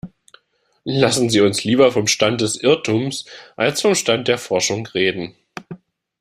Lassen Sie uns lieber vom Stand des Irrtums als vom Stand der Forschung reden.